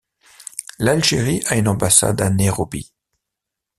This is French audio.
L'Algérie a une ambassade à Nairobi.